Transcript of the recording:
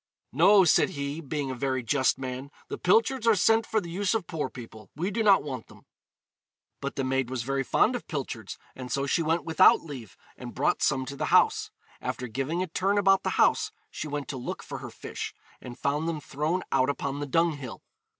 'No,' said he, being a very just man, 'the pilchards are sent for the use of poor people; we do not want them.' But the maid was very fond of pilchards, and so she went without leave, and brought some to the house. After giving a turn about the house, she went to look for her fish, and found them thrown out upon the dunghill.